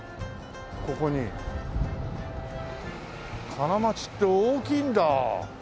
金町って大きいんだ！